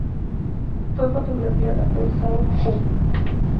Fue fotografiada por Sam Wu.